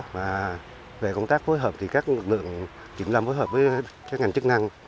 và về công tác phối hợp thì các lực lượng kiểm lâm phối hợp với các ngành chức năng